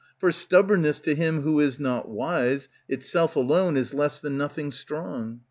For stubbornness to him who is not wise, Itself alone, is less than nothing strong.